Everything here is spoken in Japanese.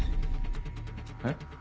えっ？